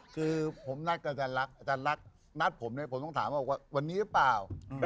คือผมนัดอาจารย์รักนัดผมเลยผมต้องถามว่าวันนี้หรือเปล่า